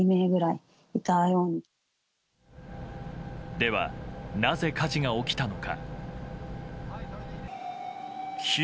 では、なぜ火事が起きたのか。